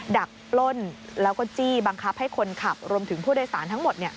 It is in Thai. ดักปล้นแล้วก็จี้บังคับให้คนขับรวมถึงผู้โดยสารทั้งหมด